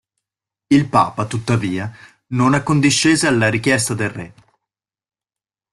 Il papa tuttavia non accondiscese alla richiesta del re.